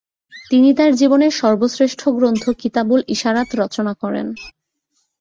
তিনি তার জীবনের সর্বশ্রেষ্ঠ গ্রন্থ কিতাবুল ইশারাত রচনা করেন।